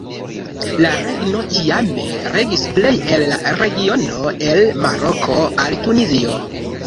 La regno tiame regis plej el la regiono el Maroko al Tunizio.